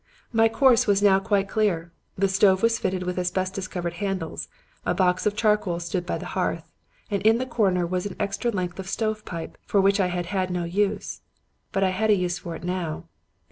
"My course was now quite clear. The stove was fitted with asbestos covered handles; a box of charcoal stood by the hearth, and in the corner was an extra length of stovepipe for which I had had no use. But I had a use for it now.